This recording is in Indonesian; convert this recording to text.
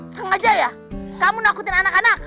sengaja ya kamu nakutin anak anak